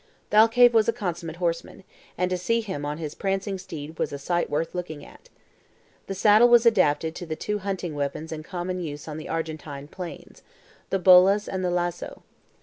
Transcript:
Thalcave was a consummate horseman, and to see him on his prancing steed was a sight worth looking at. The saddle was adapted to the two hunting weapons in common use on the Argentine plains the BOLAS and the LAZO.